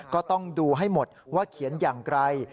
ก็ต้องดูให้หมดว่าเขียนอย่างไร